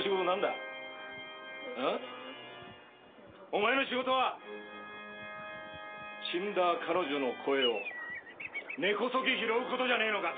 お前の仕事は死んだ彼女の声を根こそぎ拾う事じゃねえのか？